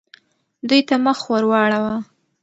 دوی ته مخ ورواړوه.